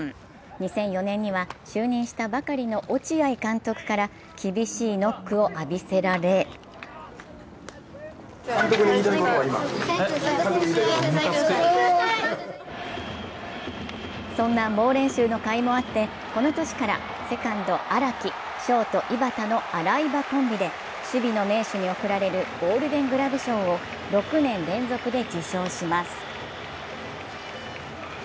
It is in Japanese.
２００４年には就任したばかりの落合監督から厳しいノックを浴びせられそんな猛練習のかいもあってこの年からセカンド・荒木、ショート・井端のアライバコンビで守備の名手に贈られるゴールデングラブ賞を６年連続で受賞します。